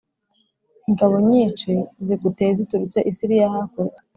ingabo nyinshi ziguteye ziturutse i Siriya hakurya